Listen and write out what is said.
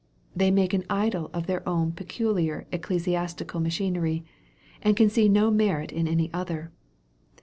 They make an idol of their own peculiar ecclesi astical machinery, and can see no merit in any other.